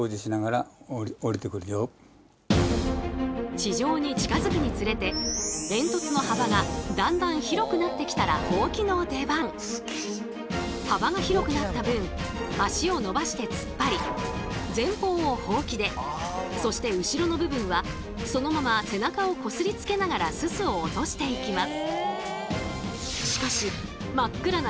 地上に近づくにつれて幅が広くなった分足を伸ばして突っ張り前方をホウキでそして後ろの部分はそのまま背中をこすりつけながらススを落としていきます。